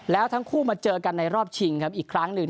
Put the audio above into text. แล้วทั้งคู่มาเจอกันในรอบชิงครับอีกครั้งหนึ่ง